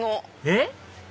えっ？